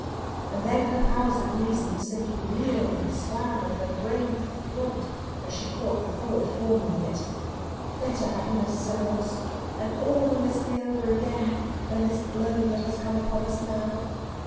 And then her powers of reason simply reeled and swam, and her brain throbbed as she caught the thought forming in it: "Better happiness so lost, and all the misery over again, than this blow that has come upon us now!